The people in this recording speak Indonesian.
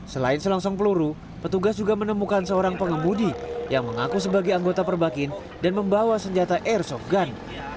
selain selongsong peluru petugas juga menemukan seorang pengemudi yang mengaku sebagai anggota perbakin dan membawa senjata airsoft gun